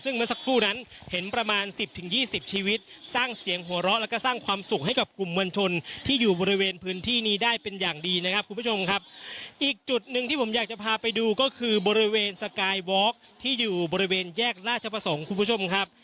ซึ่งเมื่อสักครู่นั้นเห็นประมาณสิบถึงยี่สิบชีวิตสร้างเสียงหัวเราะแล้วก็สร้างความสุขให้กับกลุ่มมวลชนที่อยู่บริเวณพื้นที่นี้ได้เป็นอย่างดีนะครับคุณผู้ชมครับอีกจุดหนึ่งที่ผมอยากจะพาไปดูก็คือบริเวณสกายวอล์กที่อยู่บริเวณแยกราชประสงค์คุณผู้ชมครับ